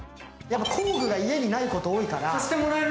工具が家にないことが多いから。